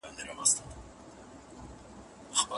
که د اتلانو کیسې وي نو روحیه لوړېږي.